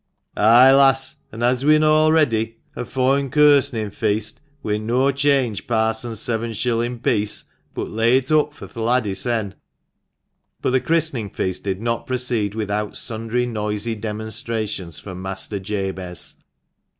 " Ay, lass ; an' as we'en a'ready a foine kirsenin' feast, we'en no change parson's seven shillin' piece, but lay it oop fur th' lad hissen." But the christening feast did not proceed without sundry noisy demonstrations from Master Jabez.